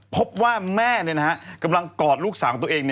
พบว่าแม่กำลังกอดลูกสาวของตัวเอง